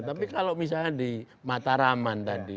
tapi kalau misalnya di mataraman tadi